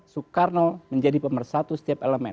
soekarno menjadi pemersatu setiap elemen